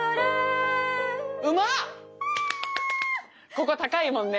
ここは高いもんね。